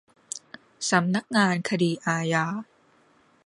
สำนักงานคดีอาญา